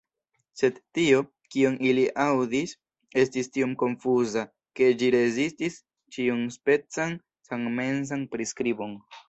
Sed tio, kion ili aŭdis, estis tiom konfuza, ke ĝi rezistis ĉiuspecan sanmensan priskribon.